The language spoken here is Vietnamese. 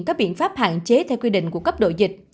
các biện pháp hạn chế theo quy định của cấp độ dịch